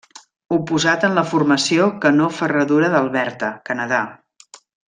Oposat en la Formació Canó Ferradura d'Alberta, Canadà.